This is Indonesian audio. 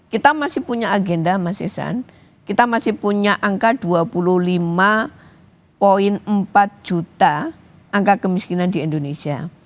kita masih punya agenda mas isan kita masih punya angka dua puluh lima empat juta angka kemiskinan di indonesia